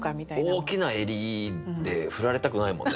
大きな襟で振られたくないもんね。